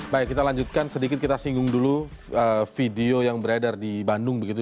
baik kita lanjutkan sedikit kita singgung dulu video yang beredar di bandung begitu